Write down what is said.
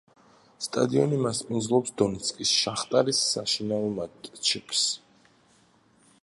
სტადიონი მასპინძლობს დონეცკის „შახტარის“ საშინაო მატჩებს.